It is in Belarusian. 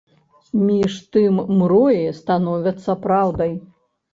Між тым мроі становяцца праўдай.